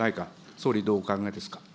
総理、どうお考えですか。